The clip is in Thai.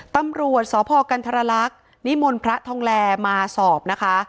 ตำรวจสพกันทรลักษณ์นิมนต์พระทองแลมาสอบนะคะ